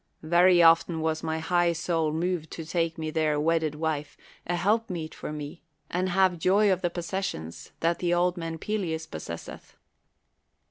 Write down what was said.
Very often was my high soul moved to take me there a wedded wife, a helpmeet for me, and have joy of the possessions that the old man Pe leus possesseth.